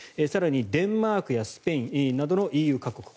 更にデンマークやスペインなどのＥＵ各国